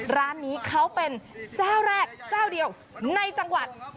ร้านนี้เขาเป็นเจ้าแรกเจ้าเดียวในจังหวัด